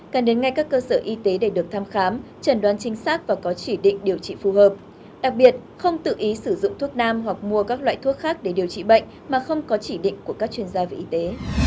cần đến ngay các cơ sở y tế để được thăm khám trần đoán chính xác và có chỉ định điều trị phù hợp đặc biệt không tự ý sử dụng thuốc nam hoặc mua các loại thuốc khác để điều trị bệnh mà không có chỉ định của các chuyên gia về y tế